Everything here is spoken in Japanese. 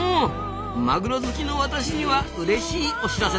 マグロ好きの私にはうれしいお知らせですな。